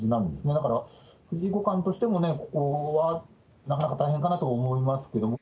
だから、藤井五冠としても、ここはなかなか大変だなと思いますけど。